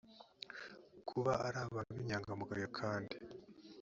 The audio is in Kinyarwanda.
kuba ari abantu b inyangamugayo kandi